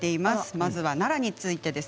まずは奈良についてです。